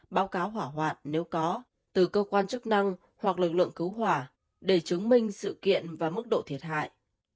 báo cáo hỏa hoạn nếu có từ cơ quan chức năng hoặc lực lượng cứu hỏa để chứng minh sự kiện và mức độ thiệt hại